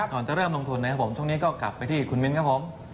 ตอนจะเริ่มลงทุนช่วงนี้ก็กลับไปที่คุณมินท์ครับผม